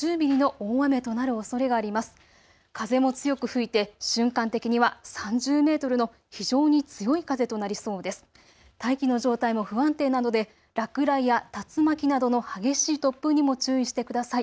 大気の状態も不安定なので落雷や竜巻などの激しい突風にも注意してください。